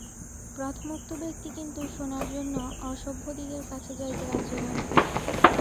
প্রথমোক্ত ব্যক্তি কিন্তু সোনার জন্য অসভ্যদিগের কাছে যাইতে রাজী নয়।